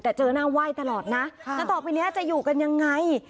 แต่เจอหน้าไหว้ตลอดนะแล้วต่อไปนี้จะอยู่กันยังไง